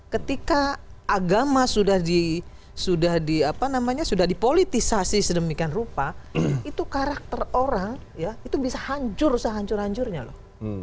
ketika agama sudah dipolitisasi sedemikian rupa itu karakter orang itu bisa hancur sehancur hancurnya loh